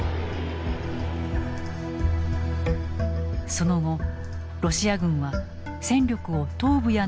その後ロシア軍は戦力を東部や南部に集中。